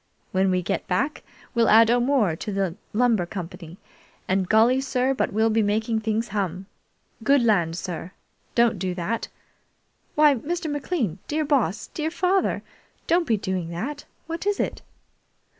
When we get back, we'll add O'More to the Lumber Company, and golly, sir, but we'll make things hum! Good land, sir! Don't do that! Why, Mr. McLean, dear Boss, dear father, don't be doing that! What is it?"